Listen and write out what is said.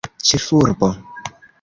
ĉefurbo